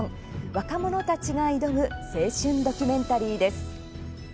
若者たちが挑む青春ドキュメンタリーです。